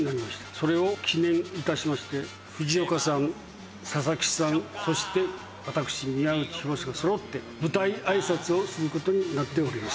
それを記念致しまして藤岡さん佐々木さんそして私宮内洋がそろって舞台あいさつをする事になっております。